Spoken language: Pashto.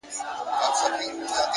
د هدف وضاحت د ذهن ګډوډي ختموي.!